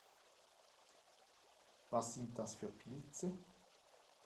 Was sind das für Pilze?